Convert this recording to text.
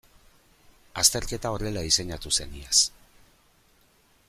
Azterketa horrela diseinatu zen iaz.